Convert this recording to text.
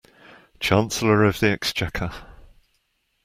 Chancellor of the Exchequer